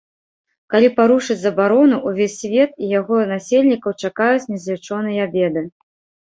Калі парушыць забарону, увесь свет і яго насельнікаў чакаюць незлічоныя беды.